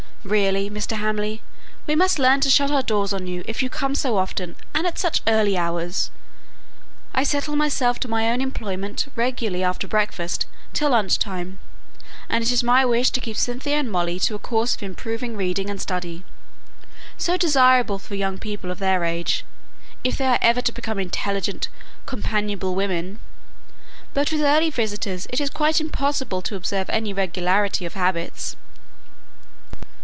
"Really, Mr. Hamley, we must learn to shut our doors on you if you come so often, and at such early hours! I settle myself to my own employment regularly after breakfast till lunch time; and it is my wish to keep Cynthia and Molly to a course of improving reading and study so desirable for young people of their age, if they are ever to become intelligent, companionable women; but with early visitors it is quite impossible to observe any regularity of habits."